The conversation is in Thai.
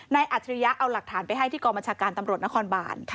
อัจฉริยะเอาหลักฐานไปให้ที่กองบัญชาการตำรวจนครบาน